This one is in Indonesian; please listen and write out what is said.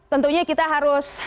tentunya kita harus apa ya